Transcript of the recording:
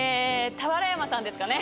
俵山さんですかね！